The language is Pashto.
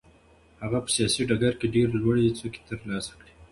هغه په سیاسي ډګر کې ډېرې لوړې څوکې ترلاسه کړې.